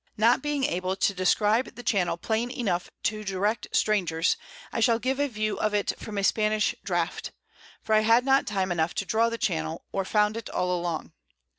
Not being able to describe the Channel plain enough to direct Strangers, I shall give a View of it from a Spanish Draught; for I had not time enough to draw the Channel, or found it all along.